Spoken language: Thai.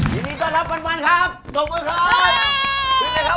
ยินดีต้อนรับปั่นปั่นครับส่งมือเข้า